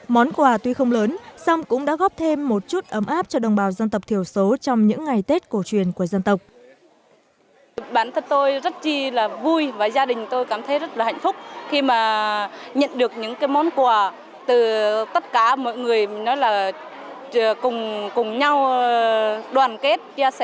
món quà tuy không lớn nhưng đồng bào tặng hộ nghèo tặng hộ nghèo cho hơn một trăm linh hộ đồng bào nghèo